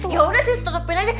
ya udah sih setepin aja